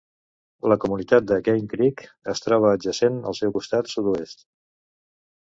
La comunitat de Game Creek es troba adjacent al seu costat sud-oest.